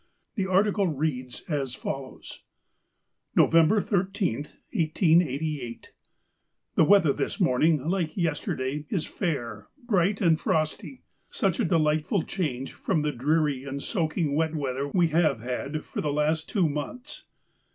The article reads as follows : "Nov. 13, 1888. — The weather this morning, like yesterday, is fair, bright, and frosty ; such a delightful change from the dreary and soaking wet weather we have had for the last two months.